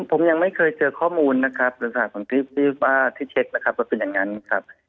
ผมยังไม่เคยเจอข้อมูลนะครับในสถานที่เช็คนะครับว่าเป็นอย่างนั้นครับ